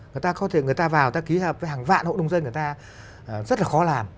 người ta có thể người ta vào người ta ký hợp với hàng vạn hộ đông dân người ta rất là khó làm